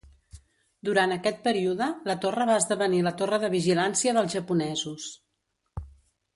Durant aquest període, la torre va esdevenir la torre de vigilància dels japonesos.